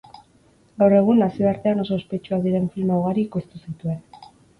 Gaur egun nazioartean oso ospetsuak diren filma ugari ekoiztu zituen.